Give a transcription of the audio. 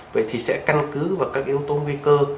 vậy thì sẽ căn cứ vào các yếu tố nguy cơ